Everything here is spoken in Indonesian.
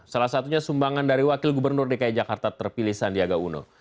salah satunya sumbangan dari wakil gubernur dki jakarta terpilih sandiaga uno